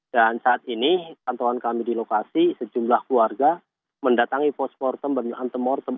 dan saat ini pantauan kami di lokasi sejumlah keluarga mendatangi pos mortem bernilai antem mortem